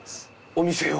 お店を。